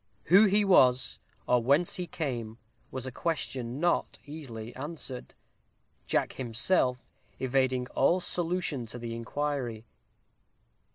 Who he was, or whence he came, was a question not easily answered Jack, himself, evading all solution to the inquiry.